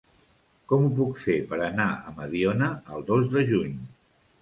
Com ho puc fer per anar a Mediona el dos de juny?